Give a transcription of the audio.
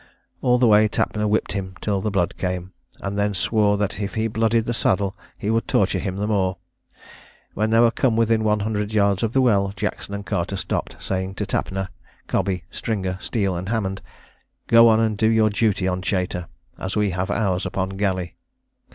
All the way Tapner whipped him till the blood came; and then swore that if he blooded the saddle, he would torture him the more. When they were come within one hundred yards of the well, Jackson and Carter stopped, saying to Tapner, Cobby, Stringer, Steele, and Hammond, "Go on and do your duty on Chater, as we have ours upon Galley."